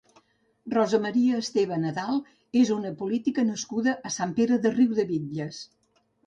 Rosa Maria Esteve Nadal és una política nascuda a Sant Pere de Riudebitlles.